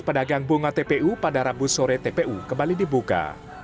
pedagang bunga tpu pada rabu sore tpu kembali dibuka